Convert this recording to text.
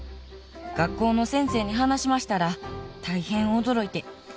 学校の先生に話しましたら大変驚いて。